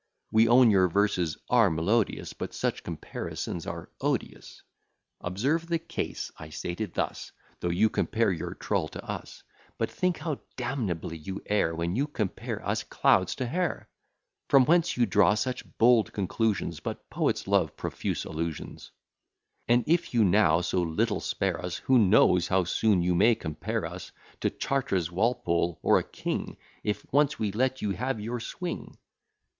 We own your verses are melodious; But such comparisons are odious. [Observe the case I state it thus: Though you compare your trull to us, But think how damnably you err When you compare us clouds to her; From whence you draw such bold conclusions; But poets love profuse allusions. And, if you now so little spare us, Who knows how soon you may compare us To Chartres, Walpole, or a king, If once we let you have your swing.